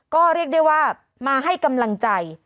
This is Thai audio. ก็เรียกได้ว่ามาให้กำลังใจ